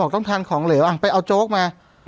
ต้องทานของเหลวไปเอาโจ๊กมา